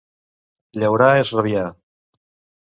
Llaurar és rabiar.